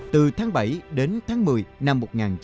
từ tháng bảy đến tháng một mươi năm một nghìn chín trăm bảy mươi